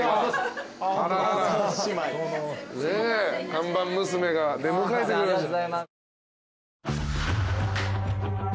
看板娘が出迎えてくれました。